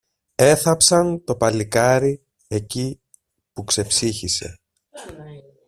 Έθαψαν το παλικάρι εκεί που ξεψύχησε.